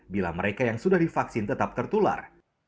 bila mereka yang sudah divaksin tetap tertular